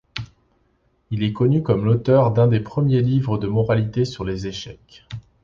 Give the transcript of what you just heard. Il est connu comme l'auteur d'un des premiers livres de moralités sur les échecs.